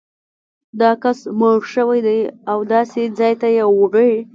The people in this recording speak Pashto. دا کس مړ شوی دی او داسې ځای ته یې وړي.